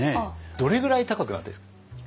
どれぐらい高くなったらいいですか？